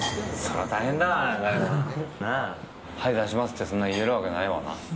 はい、出しますって、そんな言えるわけないわな。